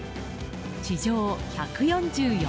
地上１４４ｍ。